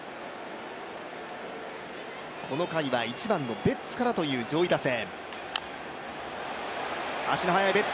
この回は１番のベッツからという上位打線。